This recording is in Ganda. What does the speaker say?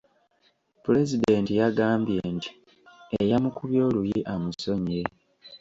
Pulezidenti yagambye nti eyamukubye oluyi amusonyiye.